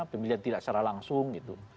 pemilihan tidak secara langsung gitu